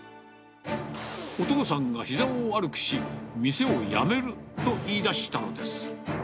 お父さんがひざを悪くし、店を辞めると言いだしたのです。